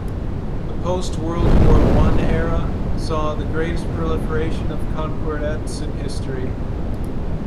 The post-World War One era saw the greatest proliferation of concordats in history.